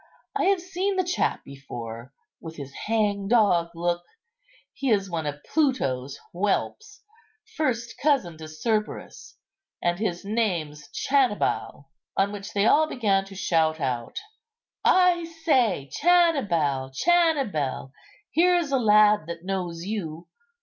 I have seen the chap before, with his hangdog look. He is one of Pluto's whelps, first cousin to Cerberus, and his name's Channibal." On which they all began to shout out, "I say, Channibal, Channibal, here's a lad that knows you.